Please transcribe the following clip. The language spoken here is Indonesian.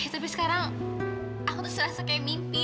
tapi sekarang aku tuh serasa kayak mimpi